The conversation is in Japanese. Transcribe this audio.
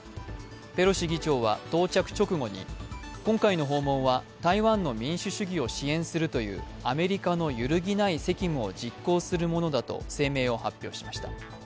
ペロシ議長は到着直後に今回の訪問は台湾の民主主義を支援するというアメリカの揺るぎない責務を実行するものだと声明を発表しました。